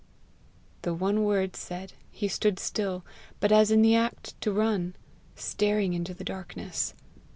The one word said, he stood still, but as in the act to run, staring into the darkness.